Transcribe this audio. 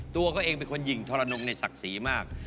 ตัวเขาเองเป็นคนหญิงทรนงในศักดิ์ศรีมาก